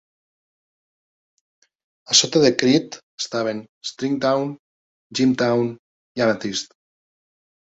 A sota de Creede estaven Stringtown, Jimtown i Amethyst.